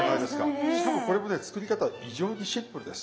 しかもこれもね作り方異常にシンプルです。